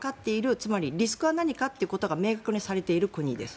つまり、リスクは何かということが明確にされている国です。